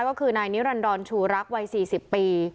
ก็คือนายนิรันดรชูรักวัย๔๐ปี